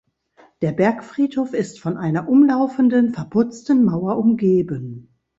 Der Bergfriedhof ist von einer umlaufenden verputzten Mauer umgeben.